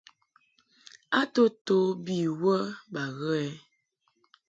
A to to bi wə ba ghə ɛ?